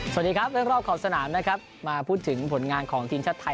สวัสดีครับเรื่องรอบขอบสนามนะครับมาพูดถึงผลงานของทีมชาติไทย